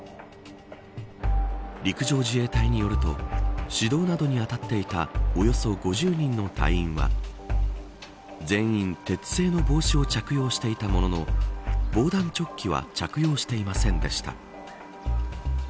陸上自衛隊によると指導などに当たっていたおよそ５０人の隊員は全員、鉄製の帽子を着用していたものの防弾チョッキは着用していませんでした。